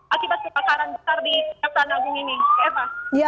akibat kebakaran besar di kejaksaan agung ini eva